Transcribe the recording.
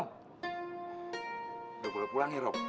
udah boleh pulang ye rob